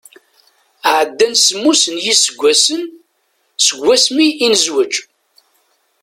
Ɛeddan semmus n yiseggasen seg wasmi i nezwej.